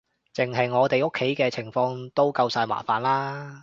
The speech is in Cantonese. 淨係我哋屋企嘅情況都夠晒麻煩喇